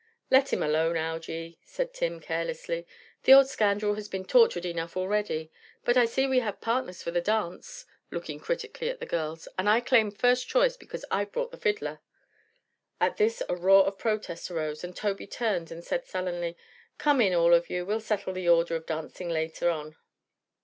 "Let him alone, Algy," said Tim, carelessly. "The old scoundrel has been tortured enough already. But I see we have partners for the dance," looking critically at the girls, "and I claim first choice because I've brought the fiddler." At this a roar of protest arose and Tobey turned and said sullenly: "Come in, all of you. We'll settle the order of dancing later on."